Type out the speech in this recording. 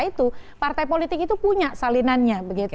itu partai politik itu punya salinannya